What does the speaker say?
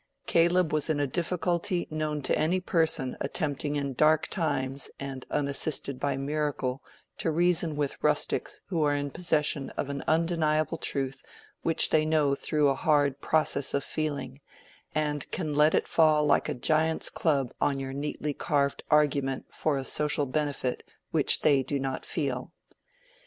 Caleb was in a difficulty known to any person attempting in dark times and unassisted by miracle to reason with rustics who are in possession of an undeniable truth which they know through a hard process of feeling, and can let it fall like a giant's club on your neatly carved argument for a social benefit which they do not feel.